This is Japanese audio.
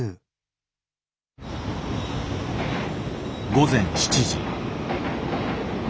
午前７時。